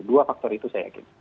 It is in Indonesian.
dua faktor itu saya yakin